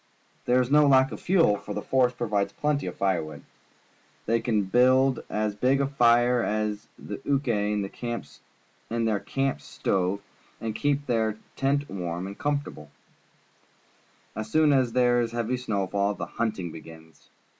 There is no lack of fuel, for the forest provides plenty of firewood. They can build as big a fire as they Uke in their camp stove and keep their tent warm and comfortable. 14 PUBLIC SCHOOL GEOGRAPHY As soon as there is a heavy snowfall, the hunting begins.